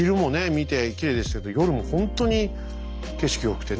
見てきれいでしたけど夜もほんとに景色良くてね。